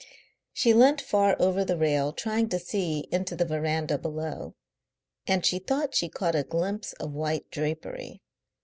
She leant far over the rail, trying to see into the verandah below, and she thought she caught a glimpse of white drapery.